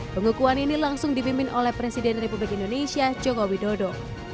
pengukuhan ini langsung dipimpin oleh presiden republik indonesia joko widodo